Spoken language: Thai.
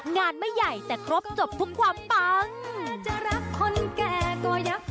งานไม่ใหญ่แต่ครบจบทุกความปัง